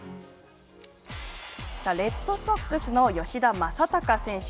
さあ、レッドソックスの吉田正尚選手。